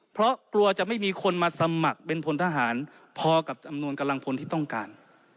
เพราะกลัวจะไม่มีคนมาสมัครเป็นพลทหารพอกับจำนวนกำลังพลที่ต้องการ